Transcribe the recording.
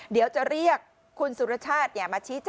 เดี๋ยวจะเรียกคุณสุรชาติ